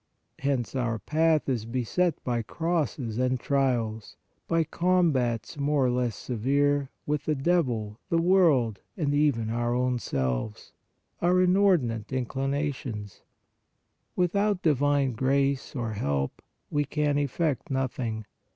Hence our path is beset by crosses and trials, by combats more or less severe with the devil, the world and even our own selves, our inordinate in clinations. Without divine grace or help we can effect nothing.